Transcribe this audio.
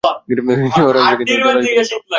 ঝড় আসবে কিন্তু।